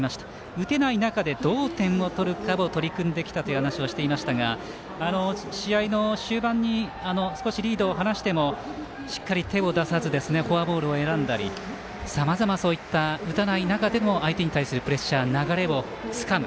打てない中でどう点を取るかを取り組んできたと話していましたが試合の終盤に少しリードを離してもしっかり、手を出さずフォアボールを選んだりさまざまそういった打たない中でも相手に対するプレッシャー流れをつかむ。